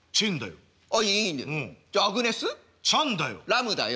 ラムだよ。